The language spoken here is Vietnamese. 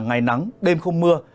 ngày nắng đêm không mưa